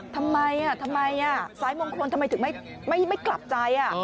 ทำไมถึงสายมงคลไม่กลับใจ